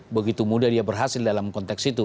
begitu mudah dia berhasil dalam konteks itu